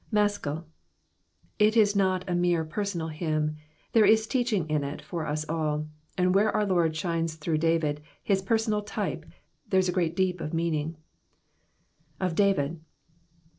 Maschil. It is not a mere personal hi/mn^ there is teaching in it for us aU, and cohere o*it Lord shines through Davids his personal type, there is a great deep of meaning. Of David.